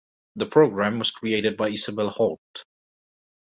The program was created by Isabel Holt.